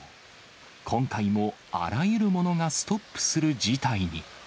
今回もあらゆるものがストップする事態に。